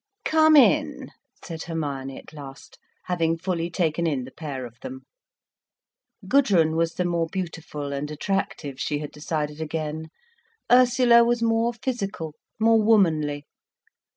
"Come in," said Hermione at last, having fully taken in the pair of them. Gudrun was the more beautiful and attractive, she had decided again, Ursula was more physical, more womanly.